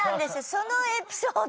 そのエピソードが。